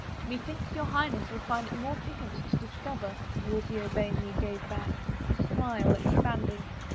*'" Methinks your Highness will find it more piquant to discover," Wolsey urbanely gave back, his smile ex panding.